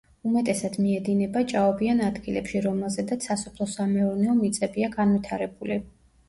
უმეტესად მიედინება ჭაობიან ადგილებში, რომელზედაც სასოფლო სამეურნეო მიწებია განვითარებული.